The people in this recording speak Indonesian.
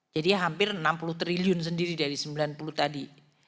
hampir enam puluh triliun sendiri dari sembilan puluh tadi